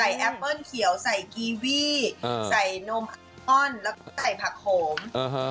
ใส่แอปเปิ้ลเขียวใส่กีวีอืมใส่นมแล้วก็ใส่ผักโขมอืม